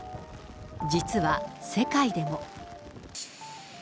実は世界でも。